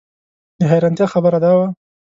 د حیرانتیا خبره دا وه.